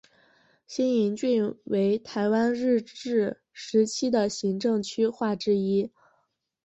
新营郡为台湾日治时期的行政区划之一。